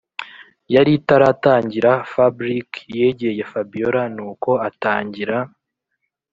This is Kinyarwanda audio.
yaritaratangira fabric yegeye fabiora nuko atangira